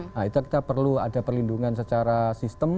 nah itu kita perlu ada perlindungan secara sistem